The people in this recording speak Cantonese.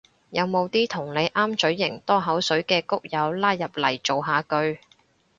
有冇啲同你啱嘴型多口水嘅谷友拉入嚟造下句